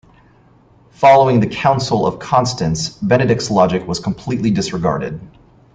Following the Council of Constance Benedict's logic was completely disregarded.